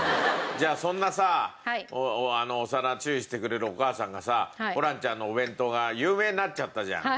じゃあそんなさお皿注意してくれるお母さんがさホランちゃんのお弁当が有名になっちゃったじゃない。